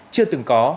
chưa từng có